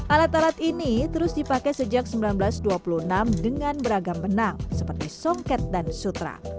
alat alat ini terus dipakai sejak seribu sembilan ratus dua puluh enam dengan beragam benang seperti songket dan sutra